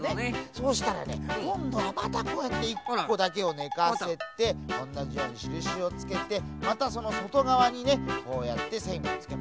そうしたらねこんどはまたこうやって１こだけをねかせておんなじようにしるしをつけてまたそのそとがわにねこうやってせんをつけます。